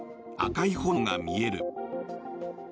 赤い炎が見える。